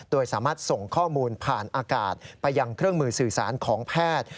โดยสามารถส่งข้อมูลผ่านอากาศไปยังเครื่องมือสื่อสารของแพทย์